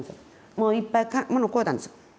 もういっぱい物買うたんですよ。